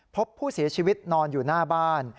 พบผู้เสียชีวิตนอนอยู่หน้าบ้าน